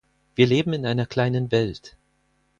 Wir leben in einer kleinen Welt.